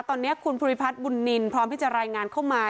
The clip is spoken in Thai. ตอนนี้คุณภูริพัฒน์บุญนินพร้อมที่จะรายงานเข้ามา